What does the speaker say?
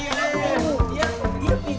iya ya diangkat langsung banget widz baseball